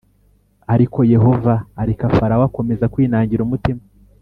Ariko Yehova Areka Farawo Akomeza Kwinangira Umutima